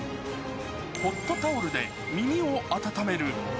ホットタオルで耳を温める。